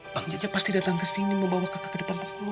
bang jajah pasti datang kesini membawa kakak ke depan pokok lu